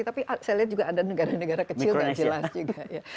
tapi saya lihat juga ada negara negara kecil yang jelas juga ya